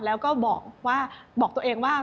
แล้วก็บอกตัวเองว่า